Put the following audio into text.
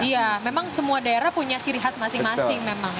iya memang semua daerah punya ciri khas masing masing memang